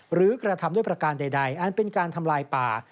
กระทำด้วยประการใดอันเป็นการทำลายป่า